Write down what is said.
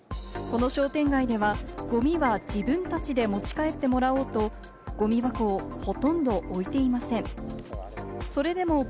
この商店会ではゴミは自分たちで持ち帰ってもらおうと、ゴミ箱をほとんど置いていません。